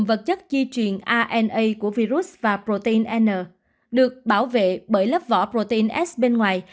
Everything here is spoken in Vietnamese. các vật chất di chuyển rna của virus và protein n được bảo vệ bởi lớp vỏ protein s bên ngoài